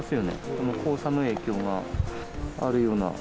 この黄砂の影響があるような。